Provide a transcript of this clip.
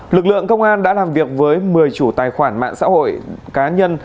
lực lượng công an đã làm việc với một mươi chủ tài khoản mạng xã hội cá nhân